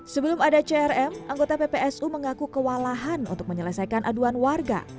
sebelum ada crm anggota ppsu mengaku kewalahan untuk menyelesaikan aduan warga